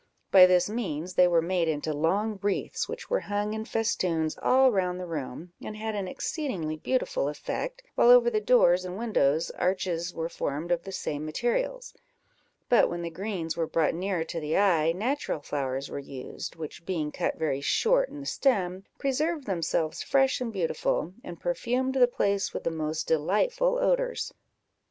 By this means they were made into long wreaths, which were hung in festoons all round the room, and had an exceedingly beautiful effect, while over the doors and windows arches were formed of the same materials; but when the greens were brought nearer to the eye, natural flowers were used, which, being cut very short in the stem, preserved themselves fresh and beautiful, and perfumed the place with the most delightful odours.